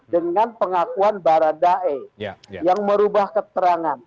dengan pengakuan baradae yang merubah keterangan